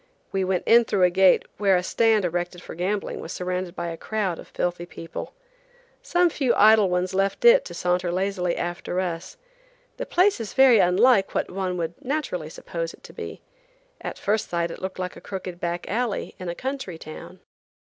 We went in through a gate where a stand erected for gambling was surrounded by a crowd of filthy people. Some few idle ones left it to saunter lazily after us. The place is very unlike what one would naturally suppose it to be. At first sight it looked like a crooked back alley in a country town.